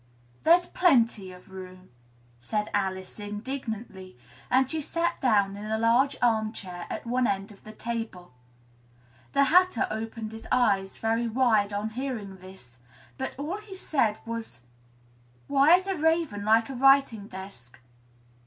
"There's plenty of room!" said Alice indignantly, and she sat down in a large arm chair at one end of the table. The Hatter opened his eyes very wide on hearing this, but all he said was "Why is a raven like a writing desk?"